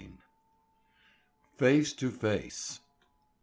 XI. FACE TO FACE.